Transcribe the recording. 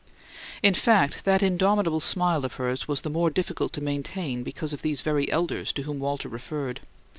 In fact, that indomitable smile of hers was the more difficult to maintain because of these very elders to whom Walter referred.